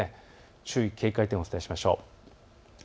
注意、警戒点をお伝えしましょう。